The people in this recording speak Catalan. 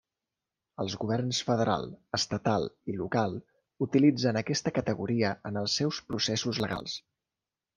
Els governs federal, estatal i local utilitzen aquesta categoria en els seus processos legals.